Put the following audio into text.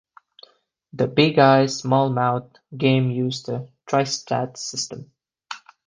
The "Big Eyes, Small Mouth" game used the "Tri-Stat System".